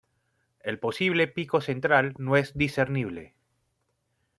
El posible pico central no es discernible.